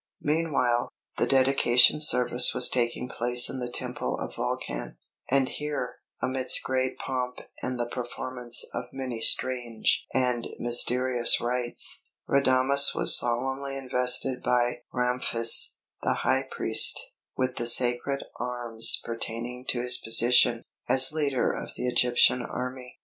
Meanwhile, the dedication service was taking place in the Temple of Vulcan; and here, amidst great pomp and the performance of many strange and mysterious rites, Radames was solemnly invested by Ramphis, the High Priest, with the sacred arms pertaining to his position as leader of the Egyptian army.